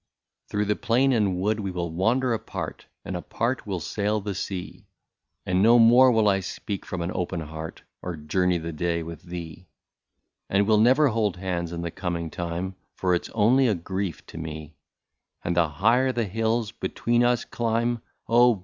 Through the plain and the wood we will wander apart, And apart will sail the sea, And no more will I speak from an open heart, Or journey the day with thee ; And we '11 never hold hands in the coming time, For it 's only a grief to me ; And the higher the hills between us climb — Oh